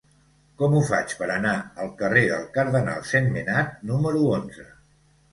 Com ho faig per anar al carrer del Cardenal Sentmenat número onze?